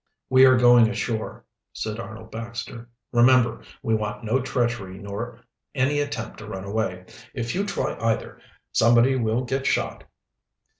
"We are going ashore," said Arnold Baxter, "Remember we want no treachery nor any attempt to run away. If you try either, somebody will get shot."